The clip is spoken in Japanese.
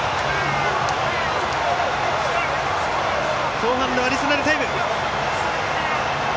後半のアディショナルタイム。